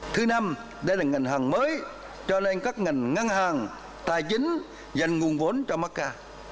thứ năm đây là ngành hàng mới cho lên các ngành ngăn hàng tài chính dành nguồn vốn cho macca